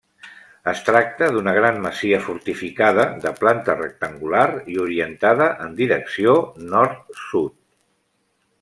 Es tracta d'una gran masia fortificada, de planta rectangular i orientada en direcció nord-sud.